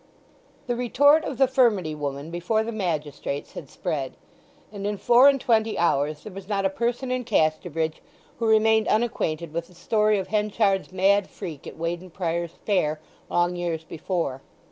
The retort of the furmity woman before the magistrates had spread; and in four and twenty hours there was not a person in Casterbridge who remained unacquainted with the story of Henchard's mad freak at Weydon Priors Fair, long years before.